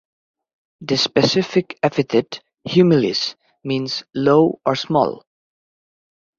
The specific epithet ("humilis") means "low or small".